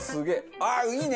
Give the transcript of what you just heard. あっいいね！